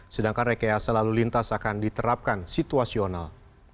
sedangkan rekayasa lalu lintas akan diterapkan situasional